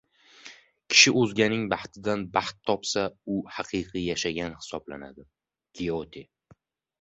Kishi o‘zganing baxtidan baxt topsa, u haqiqiy yashagan hisoblanadi. Gyote